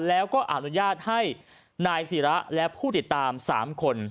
แล้วก็อนุญาตให้นายศิระและผู้ติดตาม๓คน